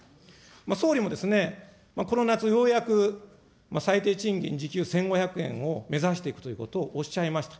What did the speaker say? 総理もこの夏、ようやく最低賃金、時給１５００円を目指していくということをおっしゃいました。